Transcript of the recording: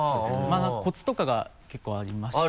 コツとかが結構ありまして。